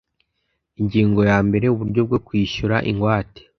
Ingingo ya mbere Uburyo bwo kwishyura ingwate